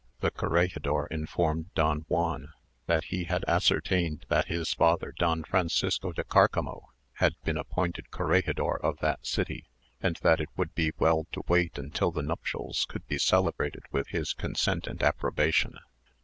The corregidor informed Don Juan, that he had ascertained that his father, Don Francisco de Cárcanio, had been appointed corregidor of that city, and that it would be well to wait until the nuptials could be celebrated with his consent and approbation.